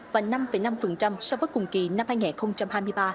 bốn hai và năm năm so với cùng kỳ năm hai nghìn hai mươi ba